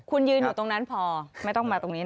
คุณยืนอยู่ตรงนั้นพอไม่ต้องมาตรงนี้